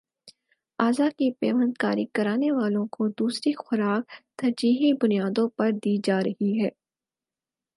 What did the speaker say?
اعضا کی پیوند کاری کرانے والوں کو دوسری خوراک ترجیحی بنیادوں پر دی جارہی ہے